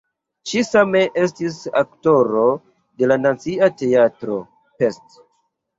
Ŝi same estis aktoro de la Nacia Teatro (Pest).